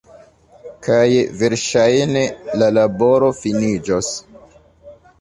kaj verŝajne la laboro finiĝos